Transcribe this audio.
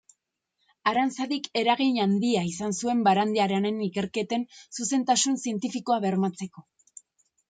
Aranzadik eragin handia izan zuen Barandiaranen ikerketen zuzentasun zientifikoa bermatzeko.